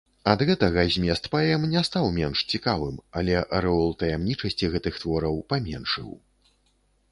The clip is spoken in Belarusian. Ад гэтага змест паэм не стаў менш цікавым, але арэол таямнічасці гэтых твораў паменшыў.